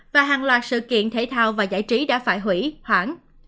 và hàng loạt sự kiện thể thao và giải trí đã phải hủy hoãn